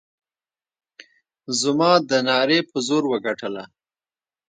زما د نعرې په زور وګټله.